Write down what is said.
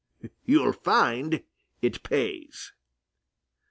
You'll find it pays."